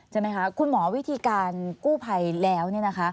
ใช่ไหมคะคุณหมอวิธีการกู้ภัยแล้ว